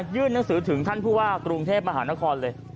ยื่นหนังสือถึงท่านผู้ว่ากรุงเทพมหานครเลย